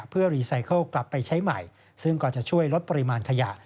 เพื่อรีไซเคิลกลับไปใช้ใหม่ซึ่งก็จะช่วยลดปริมาณขยะ